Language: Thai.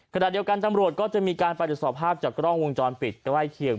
ขณะเดียวกันตำรวจก็จะมีการไปตรวจสอบภาพจากกล้องวงจรปิดใกล้เคียง